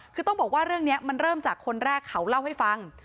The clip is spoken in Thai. คือต้องบอกว่าเรื่องนี้มันเริ่มจากคนแรกเขาเล่าให้ฟัง